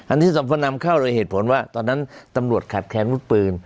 อันนี้สมพนำเข้าโดยเหตุผลว่าตอนนั้นตำรวจขาดแค้นวุฒิปืน